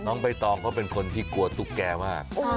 น้องใบตองก็เป็นคนที่กลัวตุ๊กแกมาก